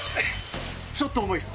ちょっと重いっす。